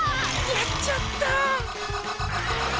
やっちゃった！